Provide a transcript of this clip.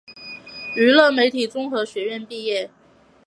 娱乐媒体综合学院毕业。